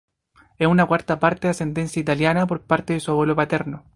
Es una cuarta parte de ascendencia italiana, por parte de su abuelo paterno.